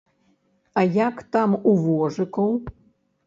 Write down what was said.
А як там у вожыкаў?